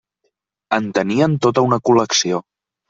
En tenien tota una col·lecció.